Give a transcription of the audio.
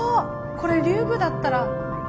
これ竜宮だったら。